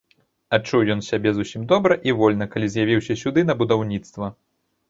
Адчуў ён сябе зусім добра і вольна, калі з'явіўся сюды, на будаўніцтва.